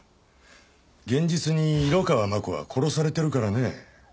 現実に色川真子は殺されてるからね。